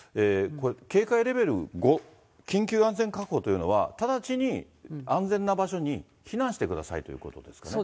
警戒レベル５、緊急安全確保というのは、直ちに安全な場所に避難してくださいとそうですね。